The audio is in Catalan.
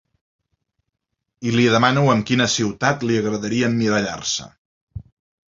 I li demano amb quina ciutat li agradaria emmirallar-se.